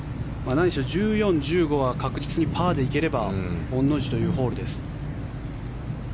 何しろ１４、１５は確実にパーで行ければ御の字というホールです。